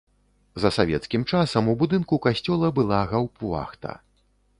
За савецкім часам у будынку касцёла была гаўптвахта.